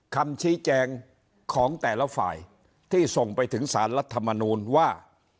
คำชี้แจงของแต่ละฝ่ายที่ส่งไปถึงสารรัฐมนูลว่า